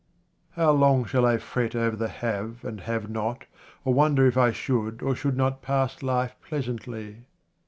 How long shall I fret over the have or have not, or wonder if I should or should not pass life pleasantly